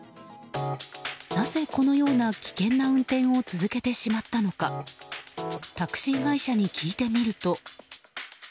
なぜ、このような危険な運転を続けてしまったのかタクシー会社に聞いてみると。